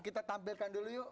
kita tampilkan dulu yuk